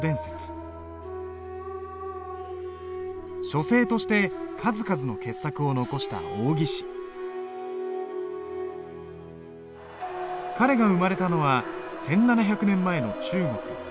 書聖として数々の傑作を残した彼が生まれたのは１，７００年前の中国東晋。